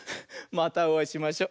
またおあいしましょ。